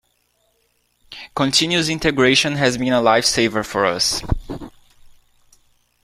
Continuous Integration has been a lifesaver for us.